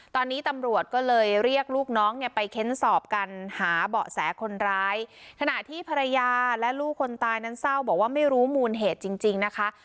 ตอนนี้ตำรวจก็เลยเรียกลูกน้องเนี่ยไปเค้นสอบกันหาเบาะแสคนร้ายขณะที่ภรรยาและลูกคนตายนั้นเศร้าบอกว่าไม่รู้มูลเหตุจริงจริงนะคะ